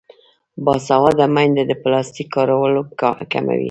باسواده میندې د پلاستیک کارول کموي.